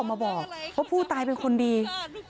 โชว์บ้านในพื้นที่เขารู้สึกยังไงกับเรื่องที่เกิดขึ้น